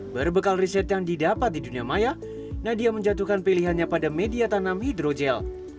berbekal riset yang didapat di dunia maya nadia menjatuhkan pilihannya pada media tanam hidrogel